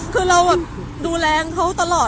คือเราแบบดูแลเขาตลอด